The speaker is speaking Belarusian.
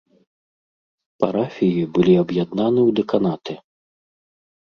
Парафіі былі аб'яднаны ў дэканаты.